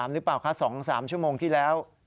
หรือเปล่าคะ๒๓ชั่วโมงที่แล้ว